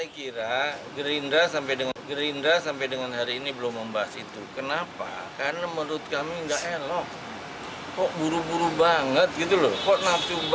kuburannya masih basah belum kering kok udah ribet gitu loh